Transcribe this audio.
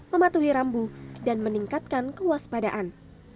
mematuhi rambu dan meningkatkan kewaspadaan